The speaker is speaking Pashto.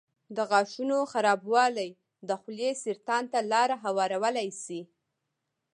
د غاښونو خرابوالی د خولې سرطان ته لاره هوارولی شي.